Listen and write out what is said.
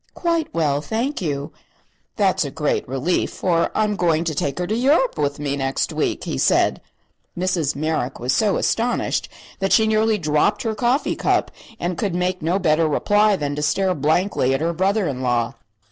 "Quite well, thank you." "That's a great relief, for I'm going to take her to Europe with me next week," he said. Mrs. Merrick was so astonished that she nearly dropped her coffee cup and could make no better reply than to stare blankly at her brother in law.